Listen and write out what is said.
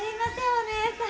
お義姉さん。